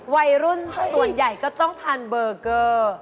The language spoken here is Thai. วัยรุ่นส่วนใหญ่ก็ต้องทานเบอร์เกอร์